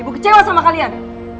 ibu kecewa sama kalian